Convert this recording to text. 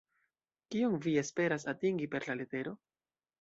Kion vi esperas atingi per la letero?